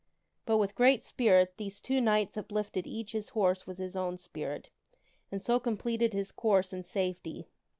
But, with great spirit, these two knights uplifted each his horse with his own spirit, and so completed his course in safety.